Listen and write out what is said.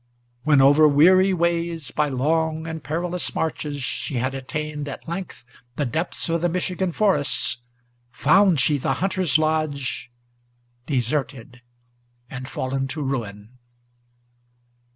When over weary ways, by long and perilous marches, She had attained at length the depths of the Michigan forests, Found she the hunter's lodge deserted and fallen to ruin!